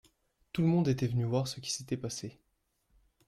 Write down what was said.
Tout le monde était venu voir ce qui s’était passé.